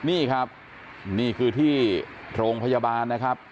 นี่ครับนี่คือที่โรงพยาบาลนะครับ